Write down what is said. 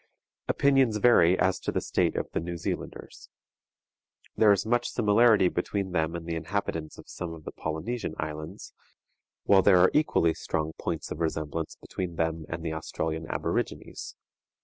Opinions vary as to the state of the New Zealanders. There is much similarity between them and the inhabitants of some of the Polynesian Islands, while there are equally strong points of resemblance between them and the Australian aborigines.